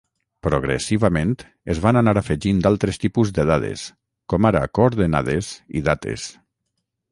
Progressivament es van anar afegint altres tipus de dades, com ara coordenades i dates.